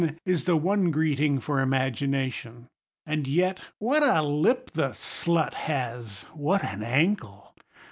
is the one greeting for Imagination. And yet—what a lip the slut has! What an ankle!